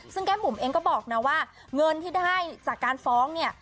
ซึ่งแก้มบุ๋มเองก็บอกนะว่าเงินที่ได้จากการฟ้องเนี่ย